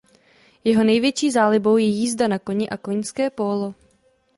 Jeho největší zálibou je jízda na koni a koňské pólo.